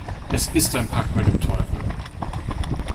Es ist ein Pakt mit dem Teufel.